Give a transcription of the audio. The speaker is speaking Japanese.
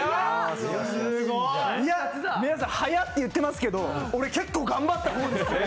皆さん、速いって言ってますけど、俺、結構頑張った方ですよ。